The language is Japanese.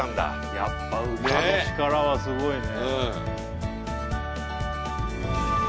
やっぱ歌の力はすごいね。